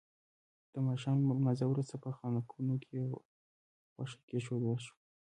د ماښام له لمانځه وروسته په خانکونو کې غوښه کېښودل شوه.